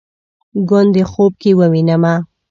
ګوندې خوب کې ووینمه